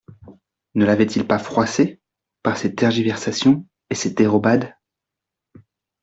Ne l'avait-il pas froissée par ses tergiversations et ses dérobades.